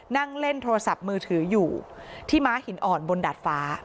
นั่งเล่นโทรศัพท์มือถืออยู่ที่ม้าหินอ่อนบนดาดฟ้า